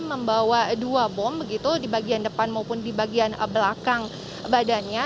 membawa dua bom begitu di bagian depan maupun di bagian belakang badannya